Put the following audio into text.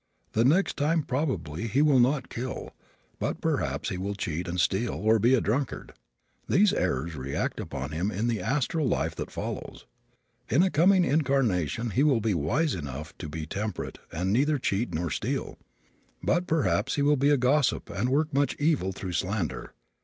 The next time probably he will not kill, but perhaps he will cheat and steal or be a drunkard. These errors will react upon him in the astral life that follows. In a coming incarnation he will be wise enough to be temperate and neither cheat nor steal; but perhaps he will be a gossip and work much evil through slander.